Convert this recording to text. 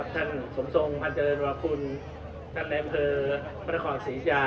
ท่านสมทรงพันธ์เจริญวาคุณท่านแดมเฟอร์มรรคศรียา